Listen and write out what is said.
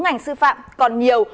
ngành sư phạm còn nhiều